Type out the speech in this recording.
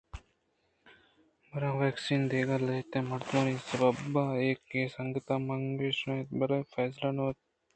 برن ویکس ءُدگہ لہتیں مردمانی سبب ءَ اے کیس انگتءَ مانگیش اِت بلئے فیصلہ نہ بوت